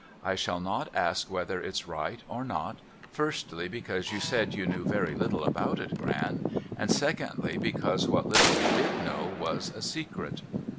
I shall not ask whether it's right or not, firstly because you said you knew very little about it, Gran, and secondly because what little you did know was a secret.'